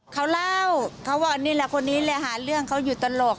เขาเล่าเขาว่านี่แหละคนนี้แหละหาเรื่องเขาอยู่ตลก